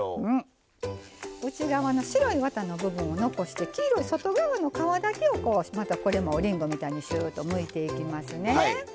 内側の白いワタの部分を残して黄色い外側の皮だけをこれも、おりんごみたいにシューッとむいていきますね。